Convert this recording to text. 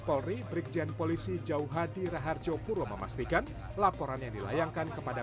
polri berikjian polisi jauh hadi raharjo puro memastikan laporan yang dilayangkan kepada